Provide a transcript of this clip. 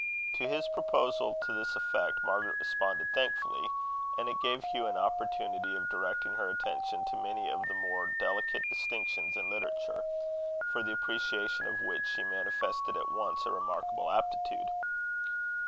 To his proposal to this effect Margaret responded thankfully; and it gave Hugh an opportunity of directing her attention to many of the more delicate distinctions in literature, for the appreciation of which she manifested at once a remarkable aptitude.